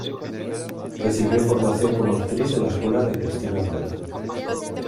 Recibió formación como actriz en la escuela de Cristina Rota.